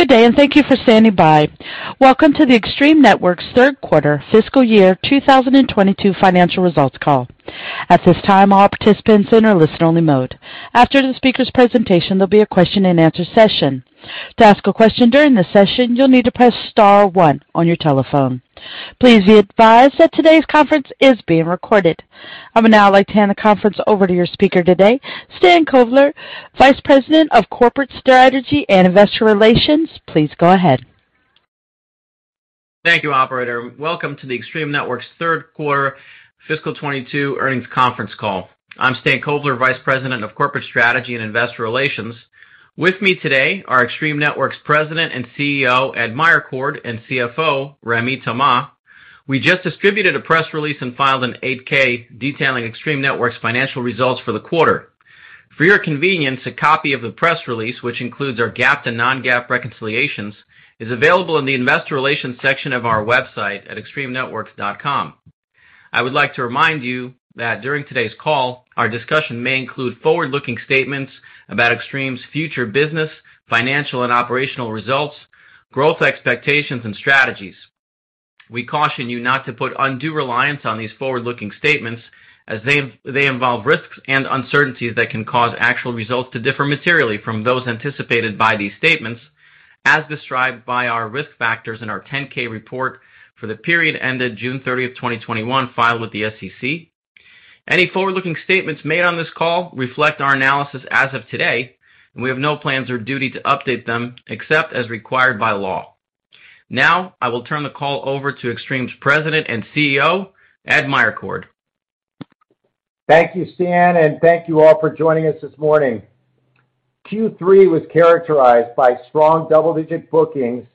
Good day, and thank you for standing by. Welcome to the Extreme Networks third quarter fiscal year 2022 financial results call. At this time, all participants are in a listen-only mode. After the speaker's presentation, there'll be a question-and-answer session. To ask a question during the session, you'll need to press star one on your telephone. Please be advised that today's conference is being recorded. I would now like to hand the conference over to your speaker today, Stan Kovler, Vice President of Corporate Strategy and Investor Relations. Please go ahead. Thank you, operator. Welcome to the Extreme Networks third quarter fiscal 2022 earnings conference call. I'm Stan Kovler, Vice President of Corporate Strategy and Investor Relations. With me today are Extreme Networks President and CEO, Ed Meyercord, and CFO, Rémi Thomas. We just distributed a press release and filed an 8-K detailing Extreme Networks financial results for the quarter. For your convenience, a copy of the press release, which includes our GAAP to non-GAAP reconciliations, is available in the investor relations section of our website at extremenetworks.com. I would like to remind you that during today's call, our discussion may include forward-looking statements about Extreme's future business, financial and operational results, growth expectations, and strategies. We caution you not to put undue reliance on these forward-looking statements as they involve risks and uncertainties that can cause actual results to differ materially from those anticipated by these statements as described by our risk factors in our 10-K report for the period ended June 30, 2021 filed with the SEC. Any forward-looking statements made on this call reflect our analysis as of today, and we have no plans or duty to update them except as required by law. Now I will turn the call over to Extreme's President and CEO, Ed Meyercord. Thank you, Stan, and thank you all for joining us this morning. Q3 was characterized by strong double-digit bookings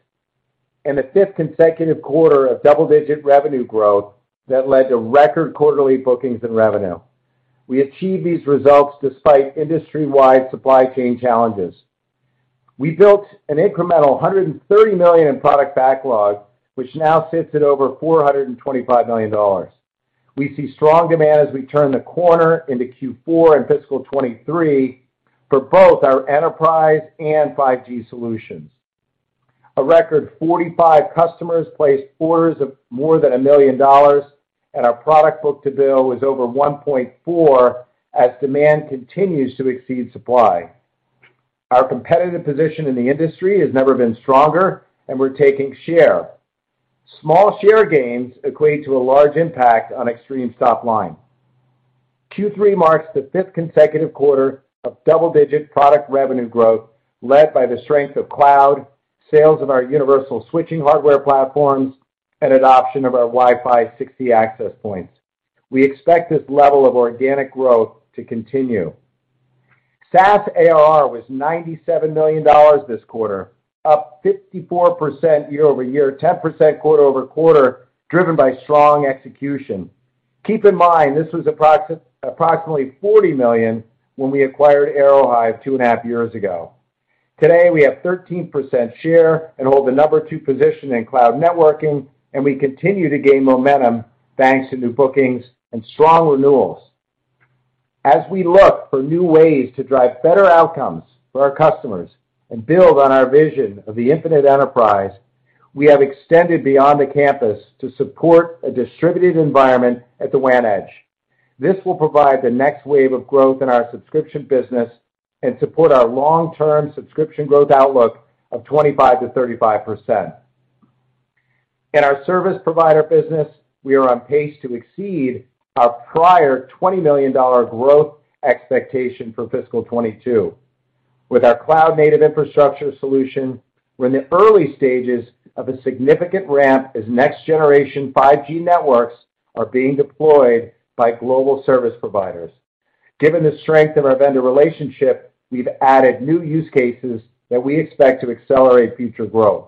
and a fifth consecutive quarter of double-digit revenue growth that led to record quarterly bookings and revenue. We achieved these results despite industry-wide supply chain challenges. We built an incremental $130 million in product backlog, which now sits at over $425 million. We see strong demand as we turn the corner into Q4 and fiscal 2023 for both our enterprise and 5G solutions. A record 45 customers placed orders of more than $1 million, and our product book-to-bill was over 1.4 as demand continues to exceed supply. Our competitive position in the industry has never been stronger, and we're taking share. Small share gains equate to a large impact on Extreme's top line. Q3 marks the fifth consecutive quarter of double-digit product revenue growth led by the strength of cloud, sales of our universal switching hardware platforms, and adoption of our Wi-Fi 6E access points. We expect this level of organic growth to continue. SaaS ARR was $97 million this quarter, up 54% year-over-year, 10% quarter-over-quarter, driven by strong execution. Keep in mind, this was approximately $40 million when we acquired Aerohive 2.5 years ago. Today, we have 13% share and hold the number two position in cloud networking, and we continue to gain momentum thanks to new bookings and strong renewals. As we look for new ways to drive better outcomes for our customers and build on our vision of the Infinite Enterprise, we have extended beyond the campus to support a distributed environment at the WAN edge. This will provide the next wave of growth in our subscription business and support our long-term subscription growth outlook of 25%-35%. In our service provider business, we are on pace to exceed our prior $20 million growth expectation for fiscal 2022. With our cloud-native infrastructure solution, we're in the early stages of a significant ramp as next generation 5G networks are being deployed by global service providers. Given the strength of our vendor relationship, we've added new use cases that we expect to accelerate future growth.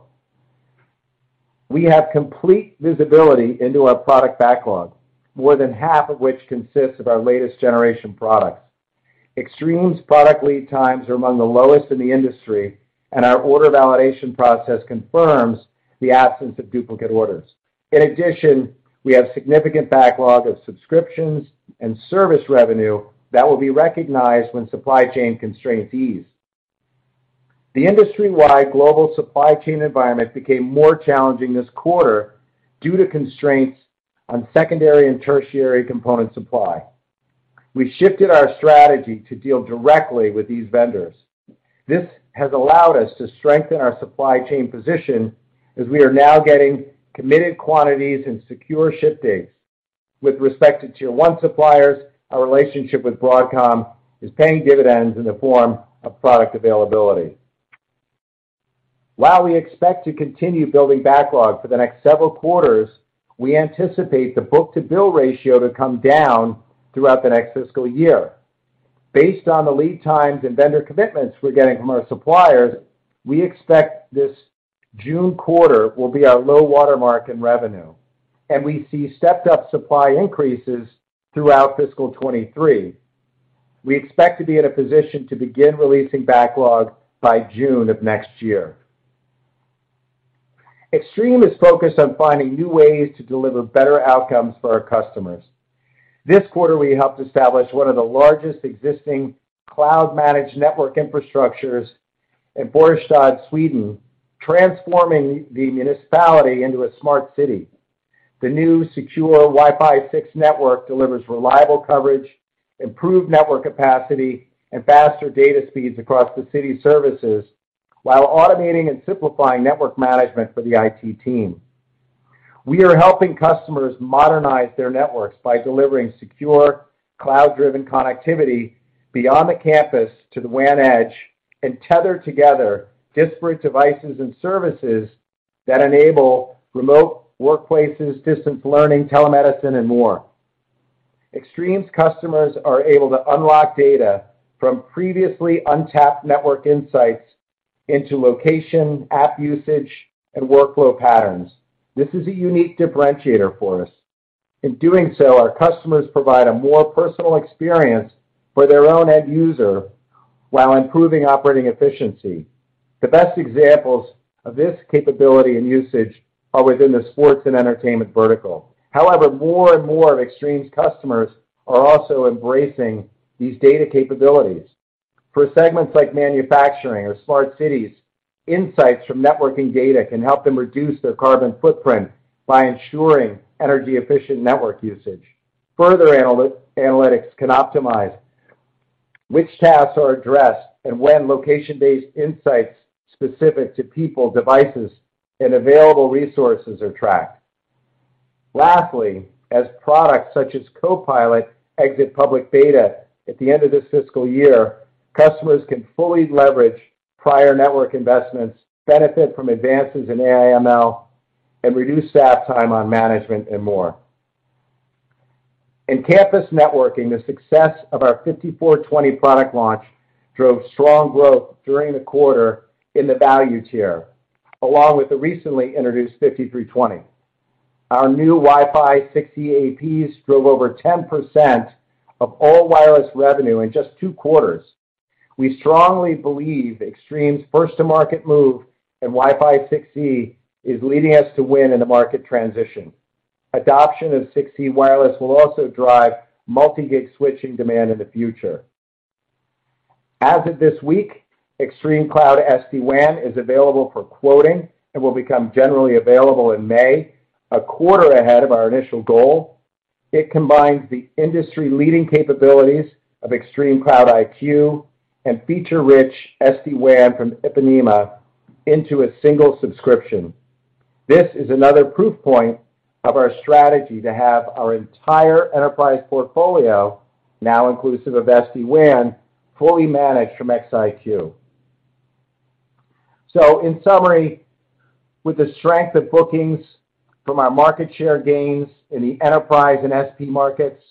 We have complete visibility into our product backlog, more than half of which consists of our latest generation products. Extreme's product lead times are among the lowest in the industry, and our order validation process confirms the absence of duplicate orders. In addition, we have significant backlog of subscriptions and service revenue that will be recognized when supply chain constraints ease. The industry-wide global supply chain environment became more challenging this quarter due to constraints on secondary and tertiary component supply. We shifted our strategy to deal directly with these vendors. This has allowed us to strengthen our supply chain position as we are now getting committed quantities and secure ship dates. With respect to tier one suppliers, our relationship with Broadcom is paying dividends in the form of product availability. While we expect to continue building backlog for the next several quarters, we anticipate the book-to-bill ratio to come down throughout the next fiscal year. Based on the lead times and vendor commitments we're getting from our suppliers, we expect this June quarter will be our low watermark in revenue, and we see stepped up supply increases throughout fiscal 2023. We expect to be in a position to begin releasing backlog by June of next year. Extreme is focused on finding new ways to deliver better outcomes for our customers. This quarter, we helped establish one of the largest existing cloud-managed network infrastructures in Borås, Sweden, transforming the municipality into a smart city. The new secure Wi-Fi 6 network delivers reliable coverage, improved network capacity, and faster data speeds across the city services while automating and simplifying network management for the IT team. We are helping customers modernize their networks by delivering secure cloud-driven connectivity beyond the campus to the WAN Edge and tether together disparate devices and services that enable remote workplaces, distance learning, telemedicine, and more. Extreme's customers are able to unlock data from previously untapped network insights into location, app usage, and workflow patterns. This is a unique differentiator for us. In doing so, our customers provide a more personal experience for their own end user while improving operating efficiency. The best examples of this capability and usage are within the sports and entertainment vertical. However, more and more of Extreme's customers are also embracing these data capabilities. For segments like manufacturing or smart cities, insights from networking data can help them reduce their carbon footprint by ensuring energy-efficient network usage. Further analytics can optimize which tasks are addressed and when location-based insights specific to people, devices, and available resources are tracked. Lastly, as products such as CoPilot exit public beta at the end of this fiscal year, customers can fully leverage prior network investments, benefit from advances in AI/ML, and reduce staff time on management and more. In campus networking, the success of our 5420 product launch drove strong growth during the quarter in the value tier, along with the recently introduced 5320. Our new Wi-Fi 6E APs drove over 10% of all wireless revenue in just two quarters. We strongly believe Extreme's first-to-market move in Wi-Fi 6E is leading us to win in the market transition. Adoption of 6E wireless will also drive multi-gig switching demand in the future. As of this week, ExtremeCloud SD-WAN is available for quoting and will become generally available in May, a quarter ahead of our initial goal. It combines the industry-leading capabilities of ExtremeCloud IQ and feature-rich SD-WAN from Ipanema into a single subscription. This is another proof point of our strategy to have our entire enterprise portfolio, now inclusive of SD-WAN, fully managed from XIQ. In summary, with the strength of bookings from our market share gains in the enterprise and SP markets,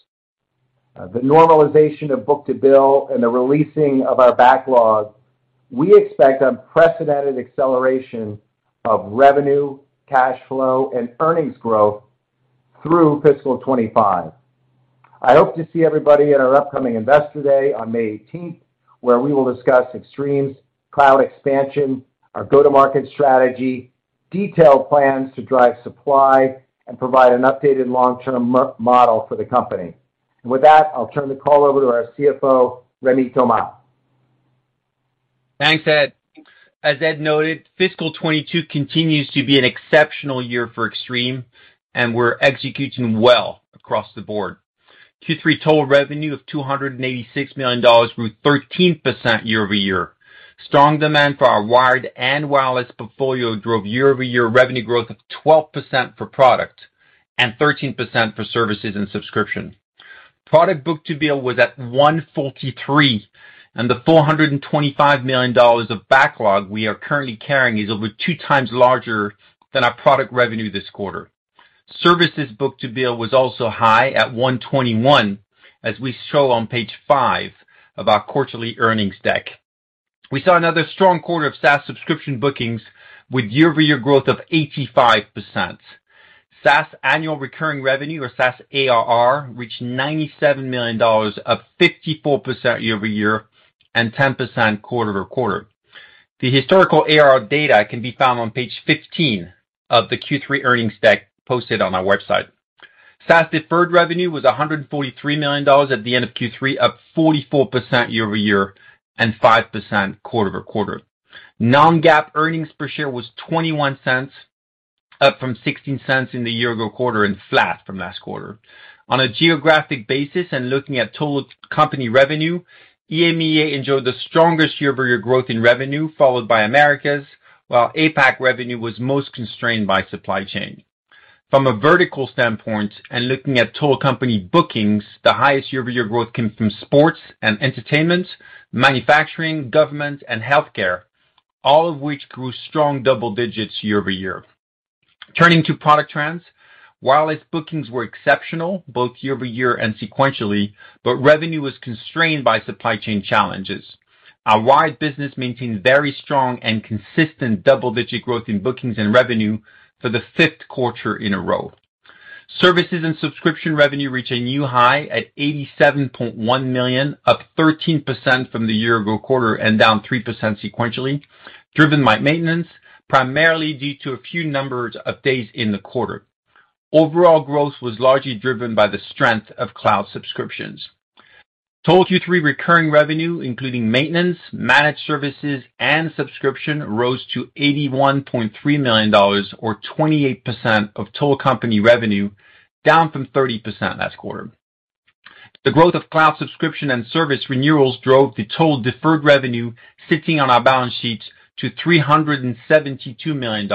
the normalization of book-to-bill, and the releasing of our backlog, we expect unprecedented acceleration of revenue, cash flow, and earnings growth through fiscal 2025. I hope to see everybody at our upcoming Investor Day on May 18, where we will discuss Extreme's cloud expansion, our go-to-market strategy, detailed plans to drive supply, and provide an updated long-term model for the company. With that, I'll turn the call over to our CFO, Rémi Thomas. Thanks, Ed. As Ed noted, fiscal 2022 continues to be an exceptional year for Extreme, and we're executing well across the board. Q3 total revenue of $286 million grew 13% year-over-year. Strong demand for our wired and wireless portfolio drove year-over-year revenue growth of 12% for product and 13% for services and subscription. Product book-to-bill was at 1.43, and the $425 million of backlog we are currently carrying is over 2x larger than our product revenue this quarter. Services book-to-bill was also high at 1.21, as we show on page five of our quarterly earnings deck. We saw another strong quarter of SaaS subscription bookings with year-over-year growth of 85%. SaaS annual recurring revenue or SaaS ARR reached $97 million up 54% year-over-year and 10% quarter-over-quarter. The historical ARR data can be found on page 15 of the Q3 earnings deck posted on our website. SaaS deferred revenue was $143 million at the end of Q3, up 44% year-over-year and 5% quarter-over-quarter. Non-GAAP earnings per share was $0.21, up from $0.16 in the year ago quarter and flat from last quarter. On a geographic basis and looking at total company revenue, EMEA enjoyed the strongest year-over-year growth in revenue, followed by Americas, while APAC revenue was most constrained by supply chain. From a vertical standpoint and looking at total company bookings, the highest year-over-year growth came from sports and entertainment, manufacturing, government, and healthcare, all of which grew strong double digits year-over-year. Turning to product trends, wireless bookings were exceptional both year-over-year and sequentially, but revenue was constrained by supply chain challenges. Our wired business maintains very strong and consistent double-digit growth in bookings and revenue for the fifth quarter in a row. Services and subscription revenue reach a new high at $87.1 million, up 13% from the year ago quarter and down 3% sequentially, driven by maintenance, primarily due to a fewer number of days in the quarter. Overall growth was largely driven by the strength of cloud subscriptions. Total Q3 recurring revenue, including maintenance, managed services and subscription, rose to $81.3 million, or 28% of total company revenue, down from 30% last quarter. The growth of cloud subscription and service renewals drove the total deferred revenue sitting on our balance sheets to $372 million,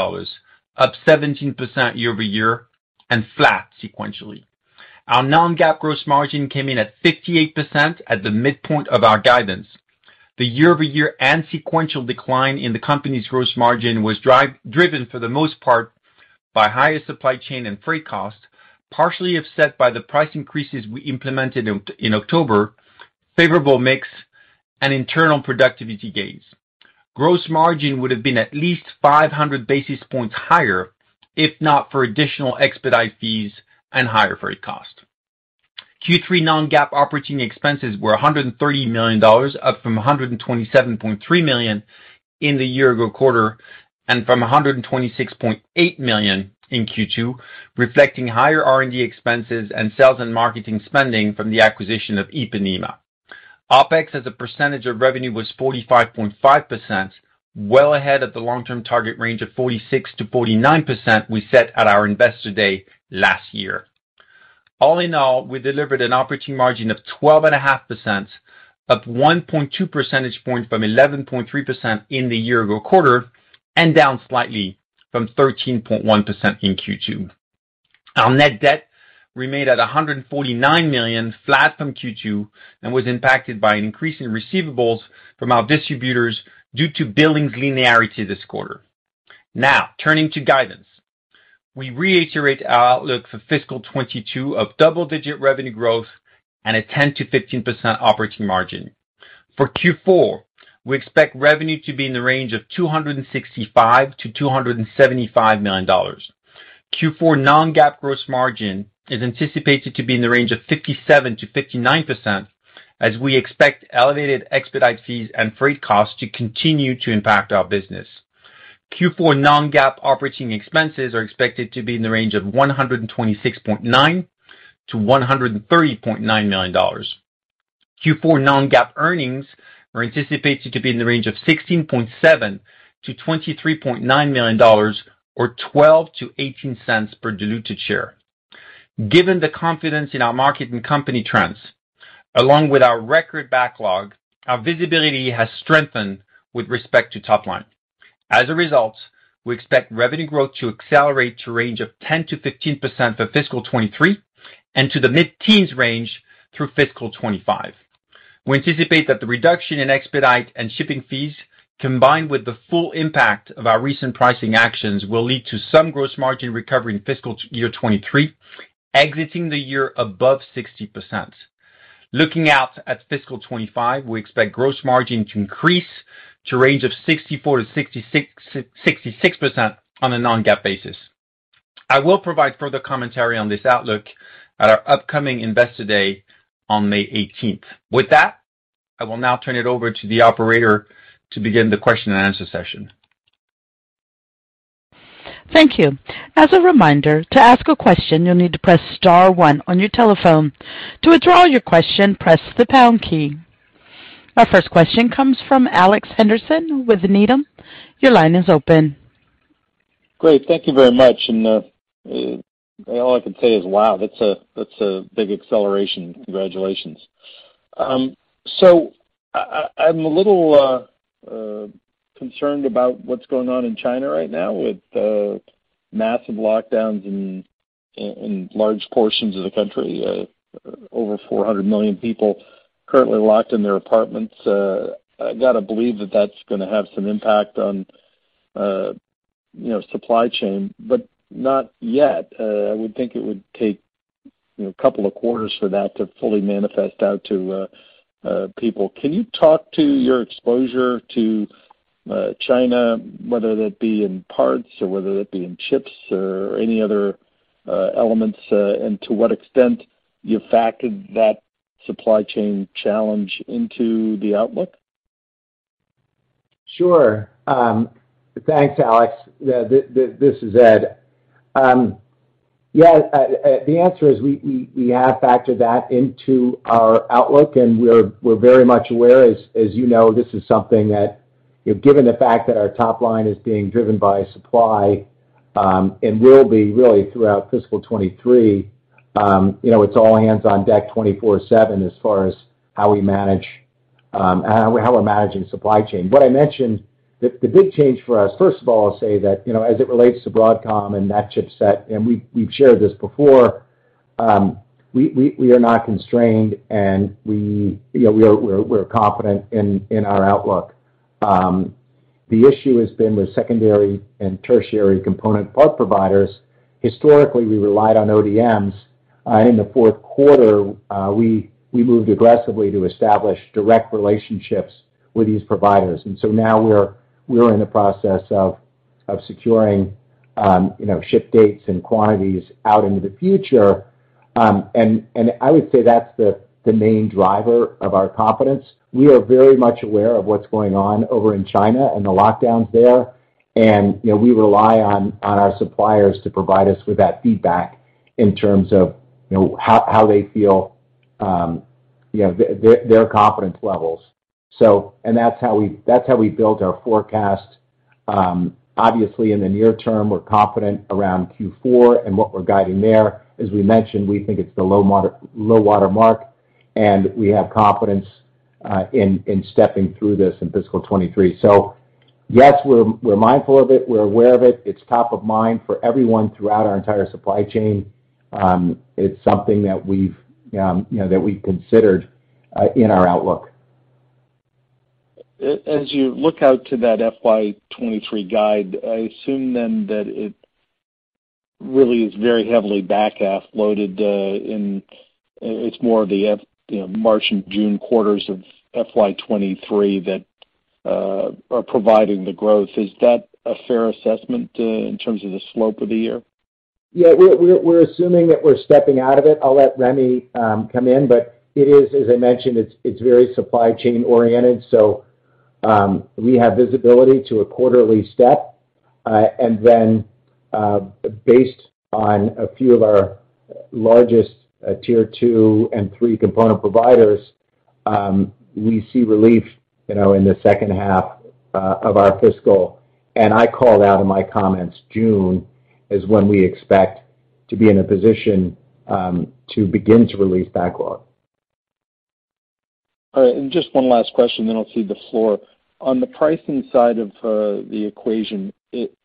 up 17% year-over-year and flat sequentially. Our non-GAAP gross margin came in at 58% at the midpoint of our guidance. The year-over-year and sequential decline in the company's gross margin was driven for the most part by higher supply chain and freight costs, partially offset by the price increases we implemented in October, favorable mix and internal productivity gains. Gross margin would have been at least 500 basis points higher if not for additional expedite fees and higher freight cost. Q3 non-GAAP operating expenses were $130 million, up from $127.3 million in the year ago quarter, and from $126.8 million in Q2, reflecting higher R&D expenses and sales and marketing spending from the acquisition of Ipanema. OpEx as a percentage of revenue was 45.5%, well ahead of the long-term target range of 46%-49% we set at our Investor Day last year. All in all, we delivered an operating margin of 12.5%, up 1.2 percentage points from 11.3% in the year ago quarter, and down slightly from 13.1% in Q2. Our net debt remained at $149 million, flat from Q2, and was impacted by an increase in receivables from our distributors due to billings linearity this quarter. Now, turning to guidance. We reiterate our outlook for fiscal 2022 of double-digit revenue growth and a 10%-15% operating margin. For Q4, we expect revenue to be in the range of $265 million-$275 million. Q4 non-GAAP gross margin is anticipated to be in the range of 57%-59%, as we expect elevated expedite fees and freight costs to continue to impact our business. Q4 non-GAAP operating expenses are expected to be in the range of $126-$130.9 million. Q4 non-GAAP earnings are anticipated to be in the range of $16.7 million-$23.9 million or $0.12-$0.18 per diluted share. Given the confidence in our market and company trends, along with our record backlog, our visibility has strengthened with respect to top line. As a result, we expect revenue growth to accelerate to a range of 10%-15% for fiscal 2023 and to the mid-teens range through fiscal 2025. We anticipate that the reduction in expedite and shipping fees, combined with the full impact of our recent pricing actions, will lead to some gross margin recovery in fiscal year 2023, exiting the year above 60%. Looking out at fiscal 2025, we expect gross margin to increase to a range of 64%-66% on a non-GAAP basis. I will provide further commentary on this outlook at our upcoming Investor Day on May eighteenth. With that, I will now turn it over to the operator to begin the question and answer session. Thank you. As a reminder, to ask a question, you'll need to press star one on your telephone. To withdraw your question, press the pound key. Our first question comes from Alex Henderson with Needham. Your line is open. Great. Thank you very much. All I can say is, wow, that's a big acceleration. Congratulations. So I'm a little concerned about what's going on in China right now with massive lockdowns in large portions of the country. Over 400 million people currently locked in their apartments. I gotta believe that that's gonna have some impact on, you know, supply chain, but not yet. I would think it would take, you know, a couple of quarters for that to fully manifest out to people. Can you talk to your exposure to China, whether that be in parts or whether that be in chips or any other elements, and to what extent you factored that supply chain challenge into the outlook? Sure. Thanks, Alex. Yeah, this is Ed. Yeah, the answer is we have factored that into our outlook, and we're very much aware, as you know, this is something that given the fact that our top line is being driven by supply, and will be really throughout fiscal 2023, you know, it's all hands on deck 24/7 as far as how we manage how we're managing supply chain. What I mentioned, the big change for us, first of all, I'll say that, you know, as it relates to Broadcom and that chipset, and we've shared this before, we are not constrained and we are confident in our outlook. The issue has been with secondary and tertiary component part providers. Historically, we relied on ODMs. In the fourth quarter, we moved aggressively to establish direct relationships with these providers. Now we're in the process of securing, you know, ship dates and quantities out into the future. I would say that's the main driver of our confidence. We are very much aware of what's going on over in China and the lockdowns there. You know, we rely on our suppliers to provide us with that feedback in terms of, you know, how they feel, you know, their confidence levels. That's how we built our forecast. Obviously, in the near term, we're confident around Q4 and what we're guiding there. As we mentioned, we think it's the low water mark, and we have confidence in stepping through this in fiscal 2023. Yes, we're mindful of it, we're aware of it. It's top of mind for everyone throughout our entire supply chain. It's something that we've, you know, considered in our outlook. As you look out to that FY 2023 guide, I assume then that it really is very heavily back half loaded, it's more of the, you know, March and June quarters of FY 2023 that are providing the growth. Is that a fair assessment in terms of the slope of the year? Yeah. We're assuming that we're stepping out of it. I'll let Rémi come in. It is, as I mentioned, it's very supply chain oriented. We have visibility to a quarterly step. Based on a few of our largest tier two and three component providers, we see relief, you know, in the second half of our fiscal. I called out in my comments, June is when we expect to be in a position to begin to release backlog. All right. Just one last question, then I'll cede the floor. On the pricing side of the equation, it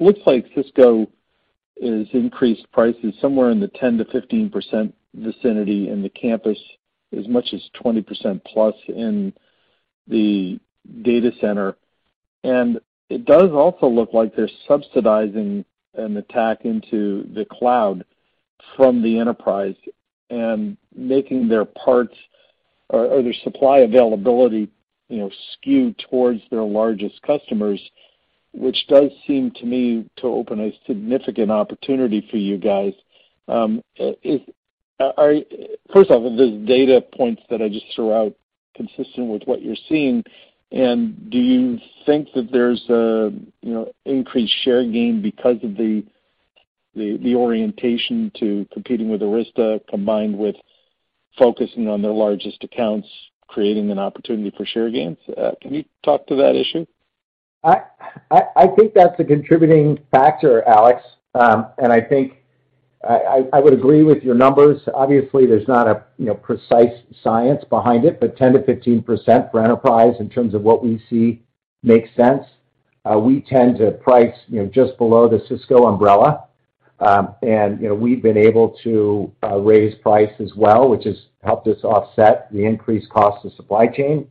looks like Cisco has increased prices somewhere in the 10%-15% vicinity in the campus, as much as 20% plus in the data center. It does also look like they're subsidizing an attack into the cloud from the enterprise and making their parts or their supply availability, you know, skew towards their largest customers, which does seem to me to open a significant opportunity for you guys. First off, are the data points that I just threw out consistent with what you're seeing? Do you think that there's a, you know, increased share gain because of the orientation to competing with Arista combined with focusing on their largest accounts, creating an opportunity for share gains? Can you talk to that issue? I think that's a contributing factor, Alex. I think I would agree with your numbers. Obviously, there's not a, you know, precise science behind it, but 10%-15% for enterprise in terms of what we see makes sense. We tend to price, you know, just below the Cisco umbrella. We've been able to raise price as well, which has helped us offset the increased cost of supply chain.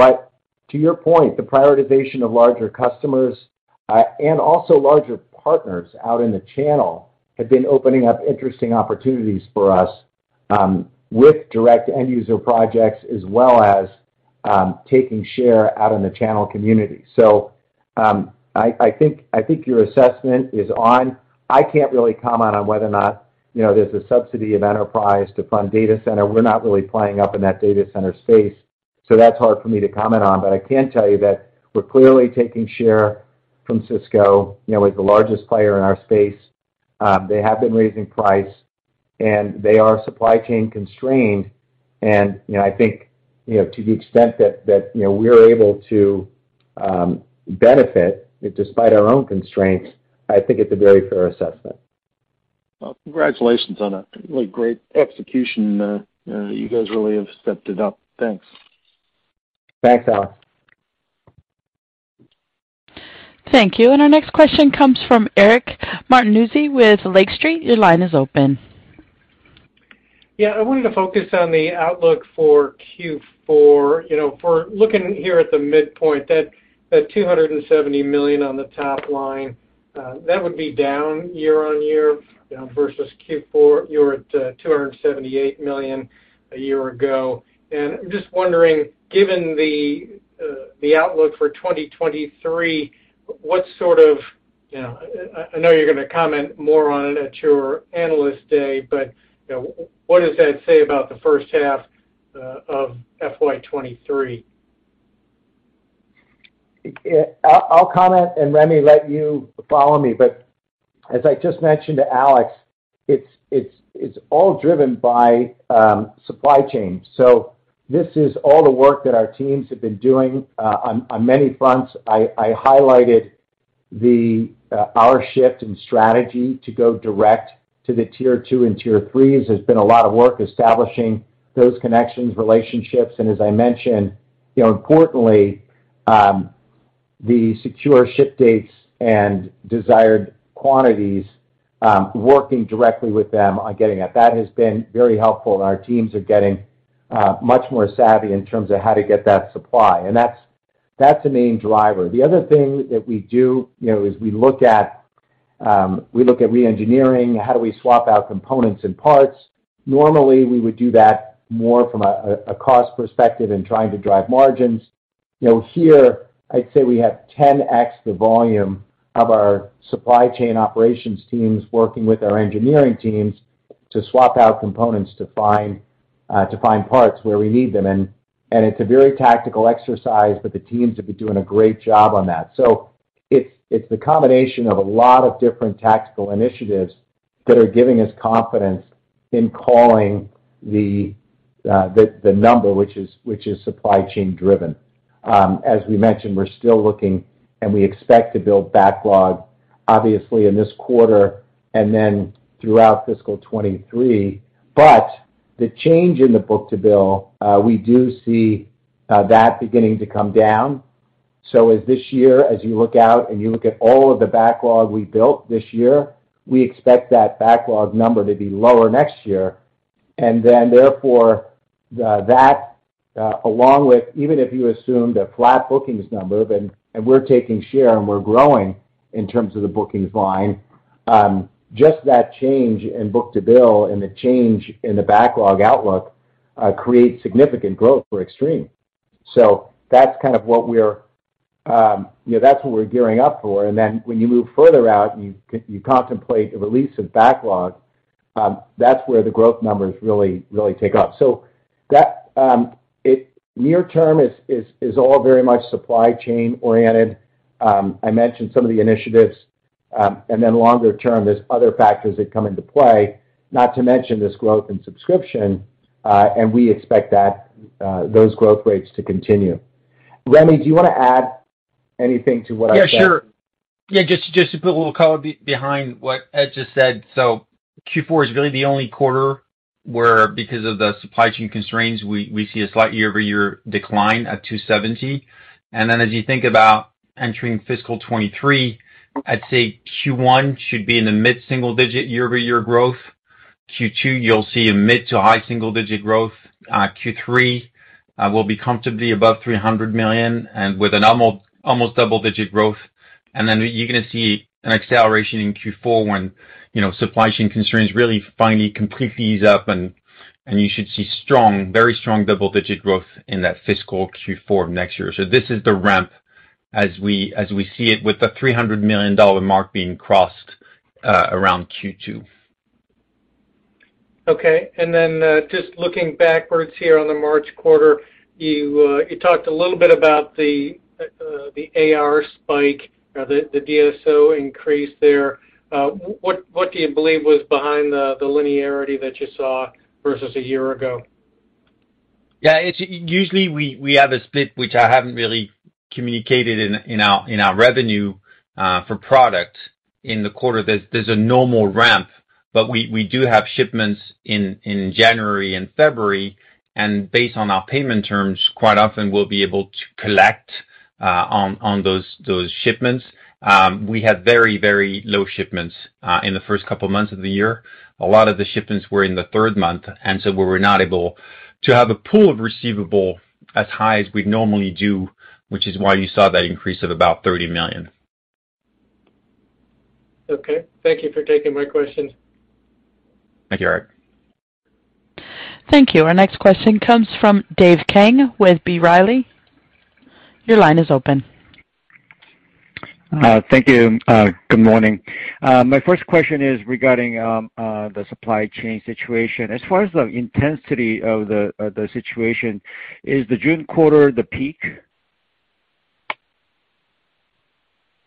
To your point, the prioritization of larger customers and also larger partners out in the channel have been opening up interesting opportunities for us, with direct end user projects as well as taking share out in the channel community. I think your assessment is on. I can't really comment on whether or not, you know, there's a subsidy of enterprise to fund data center. We're not really playing up in that data center space, so that's hard for me to comment on. But I can tell you that we're clearly taking share from Cisco, you know, as the largest player in our space. They have been raising price, and they are supply chain constrained. You know, I think, you know, to the extent that you know, we're able to benefit despite our own constraints, I think it's a very fair assessment. Well, congratulations on a really great execution. You guys really have stepped it up. Thanks. Thanks, Alex. Thank you. Our next question comes from Eric Martinuzzi with Lake Street. Your line is open. Yeah. I wanted to focus on the outlook for Q4. You know, for looking here at the midpoint, that $270 million on the top line would be down year-over-year, you know, versus Q4. You were at $278 million a year ago. Just wondering, given the outlook for 2023, what sort of, you know, I know you're gonna comment more on it at your analyst day, but, you know, what does that say about the first half of FY 2023? I'll comment and, Rémi, let you follow me. As I just mentioned to Alex, it's all driven by supply chain. This is all the work that our teams have been doing on many fronts. I highlighted our shift in strategy to go direct to the tier two and tier 3s. There's been a lot of work establishing those connections, relationships, and as I mentioned, you know, importantly, the secured ship dates and desired quantities, working directly with them on getting that. That has been very helpful, and our teams are getting much more savvy in terms of how to get that supply. That's the main driver. The other thing that we do, you know, is we look at re-engineering, how do we swap out components and parts. Normally, we would do that more from a cost perspective and trying to drive margins. You know, here, I'd say we have 10x the volume of our supply chain operations teams working with our engineering teams to swap out components to find parts where we need them. It's a very tactical exercise, but the teams have been doing a great job on that. It's the combination of a lot of different tactical initiatives that are giving us confidence in calling the number which is supply chain-driven. As we mentioned, we're still looking, and we expect to build backlog obviously in this quarter and then throughout fiscal 2023. The change in the book-to-bill, we do see that beginning to come down. As this year, as you look out and you look at all of the backlog we built this year, we expect that backlog number to be lower next year. Therefore, that, along with even if you assume the flat bookings number, and we're taking share, and we're growing in terms of the bookings line, just that change in book-to-bill and the change in the backlog outlook, creates significant growth for Extreme. That's kind of what we're, you know, that's what we're gearing up for. When you move further out, you contemplate the release of backlog, that's where the growth numbers really, really take off. That, in the near term is all very much supply chain oriented. I mentioned some of the initiatives. Longer term, there's other factors that come into play, not to mention this growth in subscription, and we expect that those growth rates to continue. Rémi, do you wanna add anything to what I said? Yeah, sure. Yeah, just to put a little color behind what Ed just said. Q4 is really the only quarter where because of the supply chain constraints, we see a slight year-over-year decline at $270 million. As you think about entering fiscal 2023, I'd say Q1 should be in the mid-single-digit year-over-year growth. Q2, you'll see a mid- to high-single-digit growth. Q3 will be comfortably above $300 million and with an almost double-digit growth. You're gonna see an acceleration in Q4 when, you know, supply chain constraints really finally completely ease up, and you should see strong, very strong double-digit growth in that fiscal Q4 of next year. This is the ramp as we see it with the $300 million mark being crossed around Q2. Okay. Just looking backwards here on the March quarter, you talked a little bit about the AR spike or the DSO increase there. What do you believe was behind the linearity that you saw versus a year ago? Yeah. It's usually we have a split, which I haven't really communicated in our revenue for product in the quarter. There's a normal ramp, but we do have shipments in January and February, and based on our payment terms, quite often we'll be able to collect on those shipments. We had very low shipments in the first couple of months of the year. A lot of the shipments were in the third month, and so we were not able to have a pool of receivables as high as we normally do, which is why you saw that increase of about $30 million. Okay. Thank you for taking my question. Thank you, Eric. Thank you. Our next question comes from Dave Kang with B. Riley. Your line is open. Uh. Thank you. Good morning. My first question is regarding the supply chain situation. As far as the intensity of the situation, is the June quarter the peak?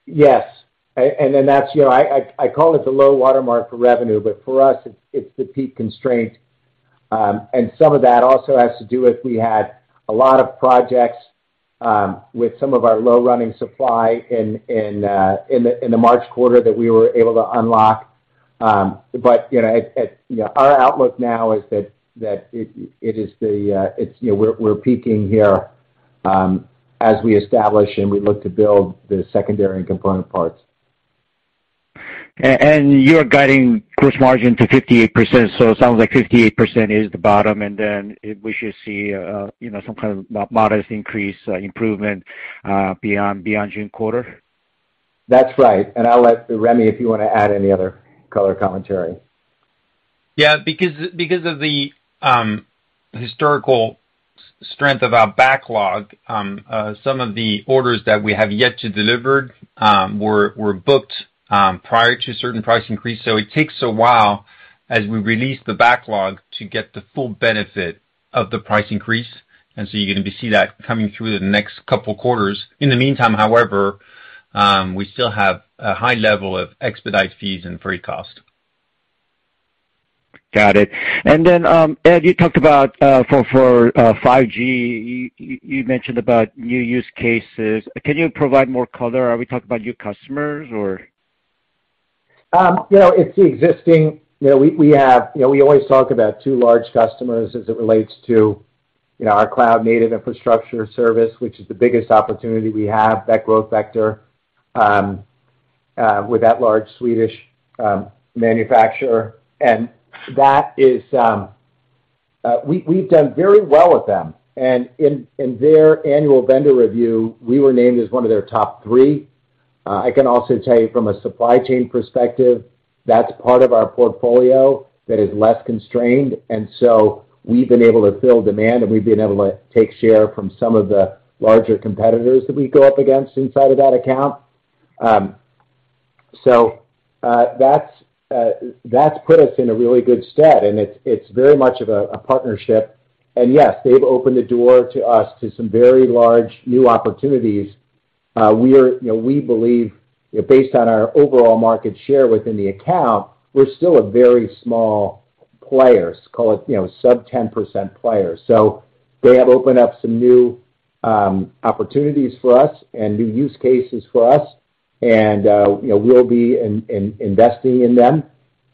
Yes. That's, you know, I call it the low watermark for revenue, but for us it's the peak constraint. Some of that also has to do with we had a lot of projects with some of our low running supply in the March quarter that we were able to unlock. Our outlook now is that it is the, it's, you know, we're peaking here as we establish and we look to build the secondary and component parts. You're guiding gross margin to 58%, so it sounds like 58% is the bottom, and then we should see, you know, some kind of modest increase, improvement, beyond June quarter? That's right. I'll let Rémi, if you wanna add any other color commentary. Yeah. Because of the historical strength of our backlog, some of the orders that we have yet to deliver were booked prior to certain price increases. It takes a while as we release the backlog to get the full benefit of the price increase. You're gonna see that coming through the next couple quarters. In the meantime, however, we still have a high level of expedite fees and freight cost. Got it. Ed, you talked about for 5G, you mentioned about new use cases. Can you provide more color? Are we talking about new customers, or? You know, it's the existing. You know, we have, you know, we always talk about two large customers as it relates to, you know, our cloud-native infrastructure service, which is the biggest opportunity we have, that growth vector, with that large Swedish manufacturer. We've done very well with them. In their annual vendor review, we were named as one of their top three. I can also tell you from a supply chain perspective, that's part of our portfolio that is less constrained. We've been able to fill demand, and we've been able to take share from some of the larger competitors that we go up against inside of that account. That's put us in a really good stead, and it's very much of a partnership. Yes, they've opened the door to us to some very large new opportunities. You know, we believe based on our overall market share within the account, we're still a very small player. Let's call it, you know, sub-10% player. They have opened up some new opportunities for us and new use cases for us. You know, we'll be investing in them.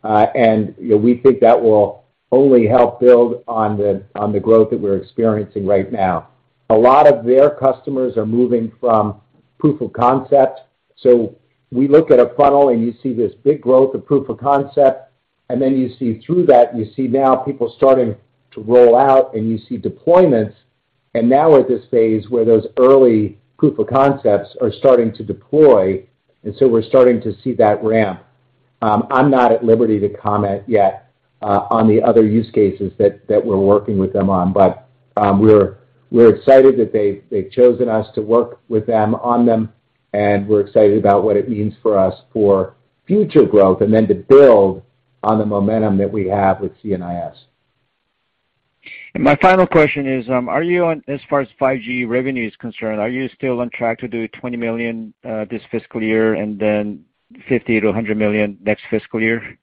You know, we think that will only help build on the growth that we're experiencing right now. A lot of their customers are moving from proof of concept. We look at a funnel, and you see this big growth of proof of concept, and then you see through that, you see now people starting to roll out, and you see deployments. Now we're at this phase where those early proof of concepts are starting to deploy, and so we're starting to see that ramp. I'm not at liberty to comment yet on the other use cases that we're working with them on, but we're excited that they've chosen us to work with them on them, and we're excited about what it means for us for future growth and then to build on the momentum that we have with CNIS. As far as 5G revenue is concerned, are you still on track to do $20 million this fiscal year and then $50 million-$100 million next fiscal year?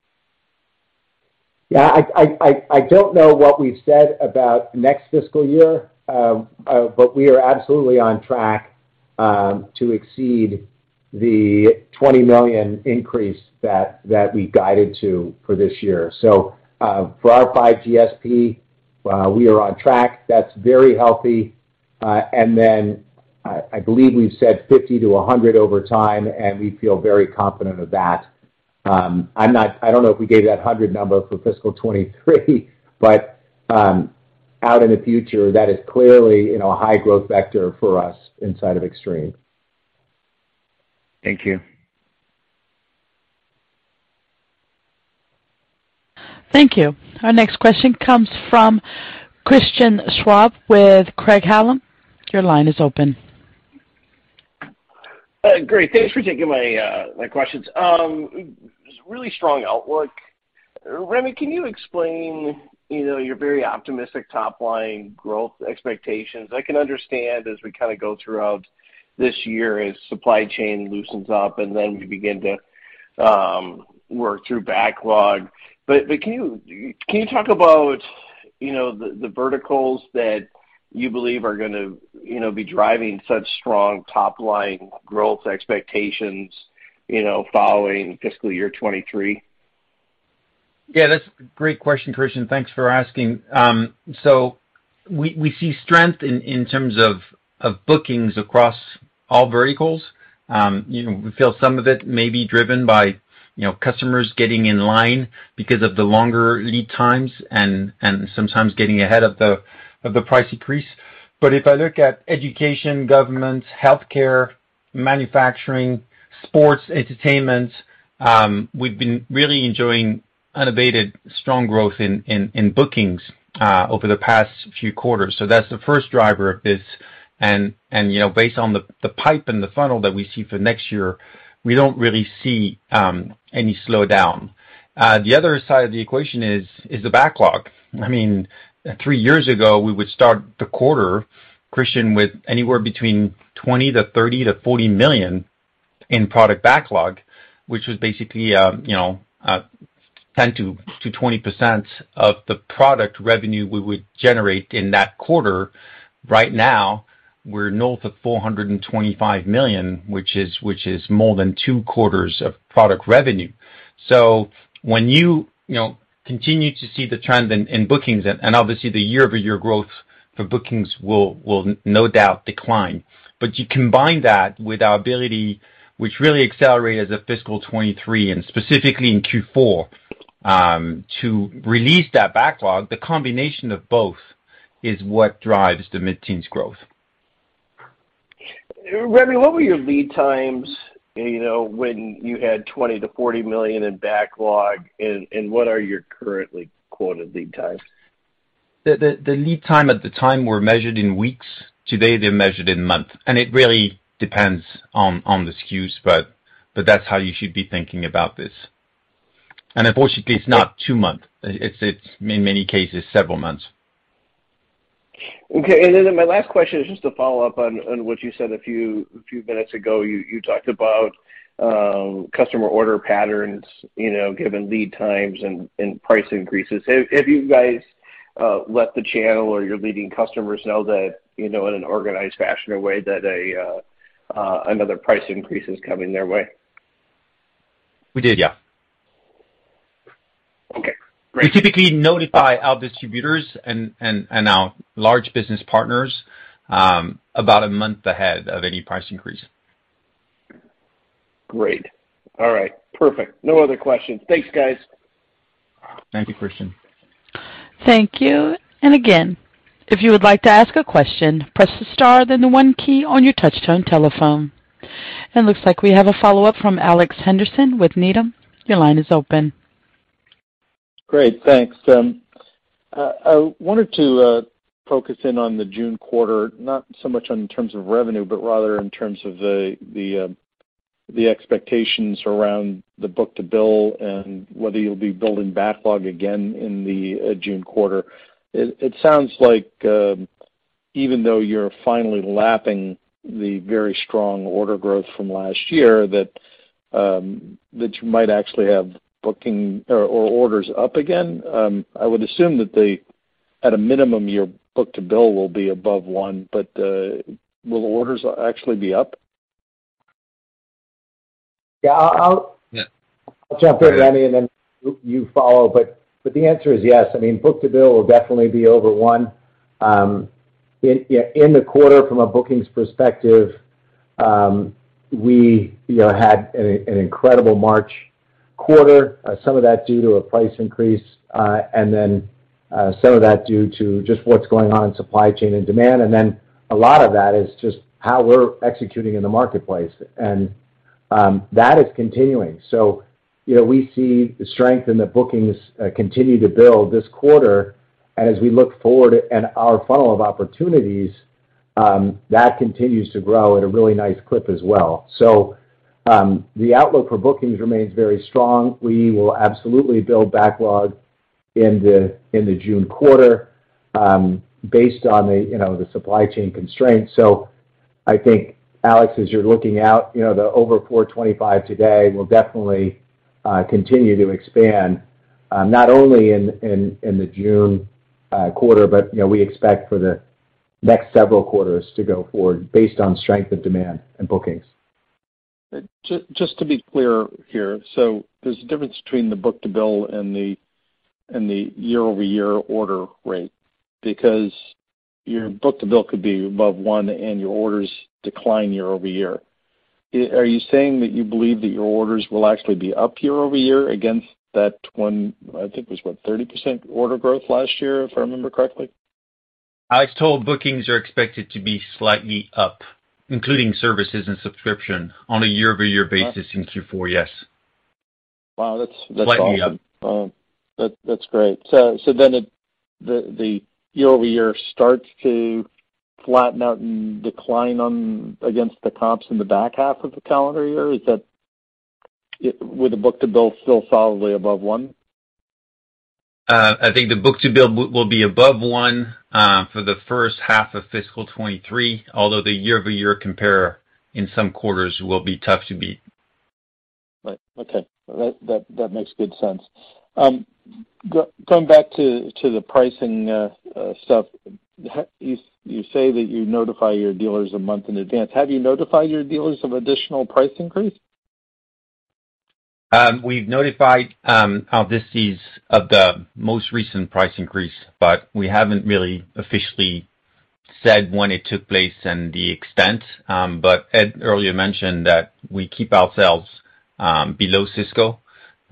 Yeah, I don't know what we've said about next fiscal year, but we are absolutely on track to exceed the $20 million increase that we guided to for this year. For our 5G SP, we are on track. That's very healthy. And then I believe we've said $50-$100 over time, and we feel very confident of that. I don't know if we gave that 100 number for fiscal 2023, but out in the future, that is clearly, you know, a high-growth vector for us inside of Extreme. Thank you. Thank you. Our next question comes from Christian Schwab with Craig-Hallum. Your line is open. Great. Thanks for taking my questions. Really strong outlook. Rémi, can you explain, you know, your very optimistic top-line growth expectations? I can understand as we kinda go throughout this year as supply chain loosens up, and then we begin to work through backlog. Can you talk about, you know, the verticals that you believe are gonna, you know, be driving such strong top-line growth expectations, you know, following fiscal year 2023? Yeah, that's a great question, Christian. Thanks for asking. So we see strength in terms of bookings across all verticals. You know, we feel some of it may be driven by, you know, customers getting in line because of the longer lead times and sometimes getting ahead of the price increase. But if I look at education, government, healthcare, manufacturing, sports, entertainment, we've been really enjoying unabated strong growth in bookings over the past few quarters. So that's the first driver of this. You know, based on the pipeline and the funnel that we see for next year, we don't really see any slowdown. The other side of the equation is the backlog. I mean, three years ago, we would start the quarter, Christian, with anywhere between 20 to 30 to 40 million in product backlog, which was basically, you know, 10%-20% of the product revenue we would generate in that quarter. Right now, we're north of $425 million, which is more than two quarters of product revenue. When you continue to see the trend in bookings and obviously the year-over-year growth for bookings will no doubt decline. You combine that with our ability, which really accelerated in fiscal 2023 and specifically in Q4, to release that backlog. The combination of both is what drives the mid-teens% growth. Rémi, what were your lead times, you know, when you had $20 million-$40 million in backlog, and what are your currently quoted lead times? The lead time at the time were measured in weeks. Today, they're measured in months, and it really depends on the SKUs, but that's how you should be thinking about this. Unfortunately, it's not two months. It's in many cases, several months. Okay. Then my last question is just to follow up on what you said a few minutes ago. You talked about customer order patterns, you know, given lead times and price increases. Have you guys let the channel or your leading customers know that, you know, in an organized fashion or way that another price increase is coming their way? We did, yeah. Okay, great. We typically notify our distributors and our large business partners about a month ahead of any price increase. Great. All right, perfect. No other questions. Thanks, guys. Thank you, Christian. Thank you. Again, if you would like to ask a question, press the star, then the one key on your touchtone telephone. Looks like we have a follow-up from Alex Henderson with Needham. Your line is open. Great, thanks. I wanted to focus in on the June quarter, not so much on in terms of revenue, but rather in terms of the expectations around the book-to-bill and whether you'll be building backlog again in the June quarter. It sounds like, even though you're finally lapping the very strong order growth from last year, that you might actually have booking or orders up again. I would assume that they, at a minimum, your book-to-bill will be above one, but will orders actually be up? Yeah. Yeah. I'll jump in, Rémi, and then you follow. The answer is yes. I mean, book-to-bill will definitely be over one in the quarter from a bookings perspective. We you know had an incredible March quarter, some of that due to a price increase, and then some of that due to just what's going on in supply chain and demand. That is continuing. You know we see the strength in the bookings continue to build this quarter. As we look forward and our funnel of opportunities that continues to grow at a really nice clip as well. The outlook for bookings remains very strong. We will absolutely build backlog in the June quarter based on the, you know, the supply chain constraints. I think, Alex, as you're looking out, you know, the over $425 today will definitely continue to expand not only in the June quarter, but, you know, we expect for the next several quarters to go forward based on strength of demand and bookings. Just to be clear here, there's a difference between the book-to-bill and the year-over-year order rate because your book-to-bill could be above one and your orders decline year-over-year. Are you saying that you believe that your orders will actually be up year-over-year against that one, I think it was, what, 30% order growth last year, if I remember correctly? I was told bookings are expected to be slightly up, including services and subscription, on a year-over-year basis in Q4. Yes. Wow, that's awesome. Slightly up. Wow. That’s great. Then the year-over-year starts to flatten out and decline against the comps in the back half of the calendar year. Is that with the book-to-bill still solidly above one? I think the book-to-bill will be above one for the first half of fiscal 2023, although the year-over-year compare in some quarters will be tough to beat. Right. Okay. That makes good sense. Going back to the pricing stuff. You say that you notify your dealers a month in advance. Have you notified your dealers of additional price increase? We've notified our distis of the most recent price increase, but we haven't really officially said when it took place and the extent. Ed earlier mentioned that we keep ourselves below Cisco.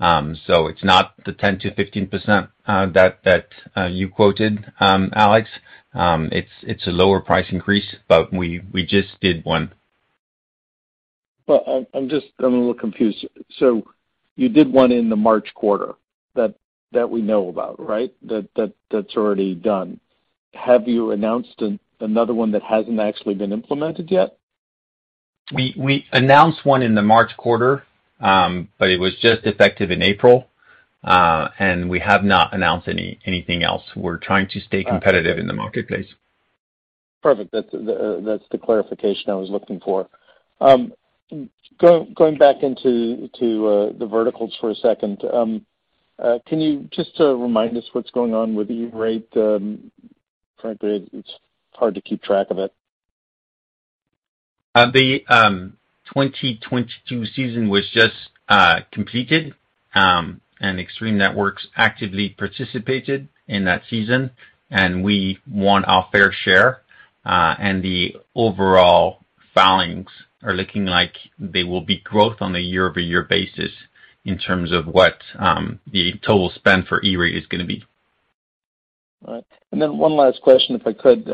It's not the 10%-15% that you quoted, Alex. It's a lower price increase, but we just did one. I'm just a little confused. You did one in the March quarter that we know about, right? That's already done. Have you announced another one that hasn't actually been implemented yet? We announced one in the March quarter, but it was just effective in April, and we have not announced anything else. We're trying to stay competitive in the marketplace. Perfect. That's the clarification I was looking for. Going back into the verticals for a second. Can you just remind us what's going on with E-Rate? Frankly, it's hard to keep track of it. The 2022 season was just completed, and Extreme Networks actively participated in that season, and we won our fair share. The overall filings are looking like they will be growth on a year-over-year basis in terms of what the total spend for E-Rate is gonna be. All right. Then one last question, if I could.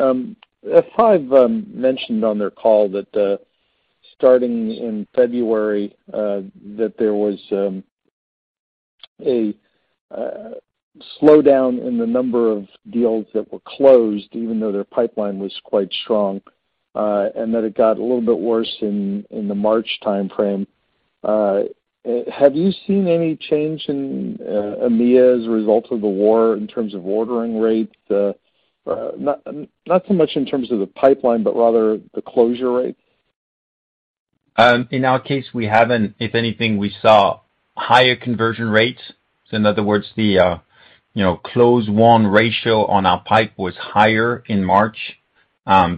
F5 mentioned on their call that starting in February that there was a slowdown in the number of deals that were closed even though their pipeline was quite strong, and that it got a little bit worse in the March timeframe. Have you seen any change in EMEA as a result of the war in terms of ordering rates? Not so much in terms of the pipeline, but rather the closure rates. In our case, we haven't. If anything, we saw higher conversion rates. In other words, the you know close one ratio on our pipe was higher in March,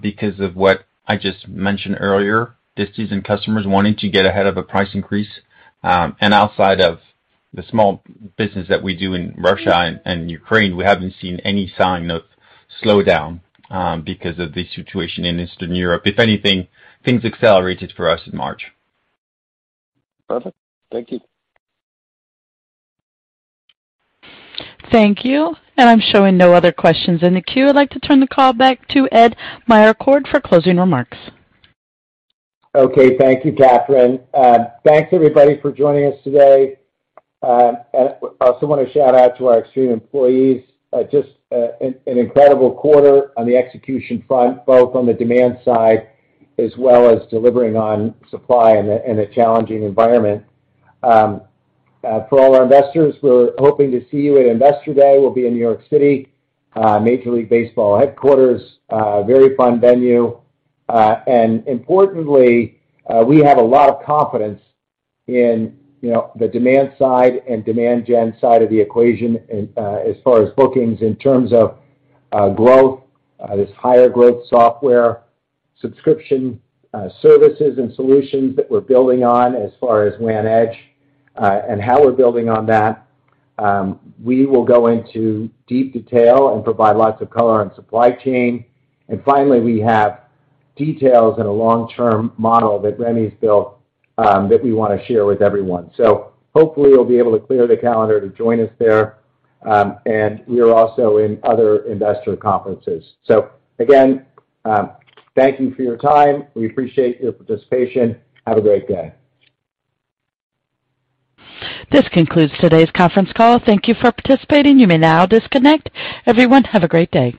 because of what I just mentioned earlier, distis and customers wanting to get ahead of a price increase. Outside of the small business that we do in Russia and Ukraine, we haven't seen any sign of slowdown, because of the situation in Eastern Europe. If anything, things accelerated for us in March. Perfect. Thank you. Thank you. I'm showing no other questions in the queue. I'd like to turn the call back to Ed Meyercord for closing remarks. Okay. Thank you, Catherine. Thanks everybody for joining us today. I also want to shout out to our Extreme employees, just an incredible quarter on the execution front, both on the demand side as well as delivering on supply in a challenging environment. For all our investors, we're hoping to see you at Investor Day. We'll be in New York City, Major League Baseball headquarters, very fun venue. Importantly, we have a lot of confidence in, you know, the demand side and demand gen side of the equation in, as far as bookings in terms of, growth, this higher growth software subscription, services and solutions that we're building on as far as WAN Edge, and how we're building on that. We will go into deep detail and provide lots of color on supply chain. Finally, we have details in a long-term model that Rémi's built, that we wanna share with everyone. Hopefully you'll be able to clear the calendar to join us there. We are also in other investor conferences. Again, thank you for your time. We appreciate your participation. Have a great day. This concludes today's conference call. Thank you for participating. You may now disconnect. Everyone, have a great day.